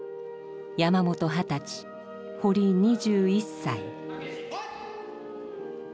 山本２０歳堀２１歳。